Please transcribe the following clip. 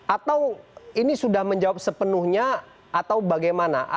atau ini sudah menjawab sepenuhnya atau bagaimana